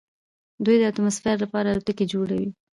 دوی د اتموسفیر لپاره الوتکې جوړوي.